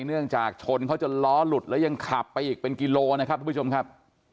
เนื่องจากชนเขาจนล้อหลุดแล้วยังขับไปอีกเป็นกิโลนะครับทุกผู้ชมครับ